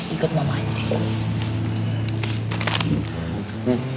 ikut mama aja deh